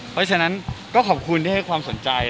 เพราะฉะนั้นก็ขอบคุณที่ให้ความสนใจ